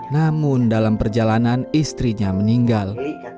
namun dalam perjalanan istrinya meninggal